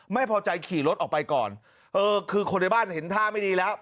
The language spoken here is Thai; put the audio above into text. ไม่พอใจขี่รถออกไปก่อนเออคือคนในบ้านเห็นท่าไม่ดีแล้ว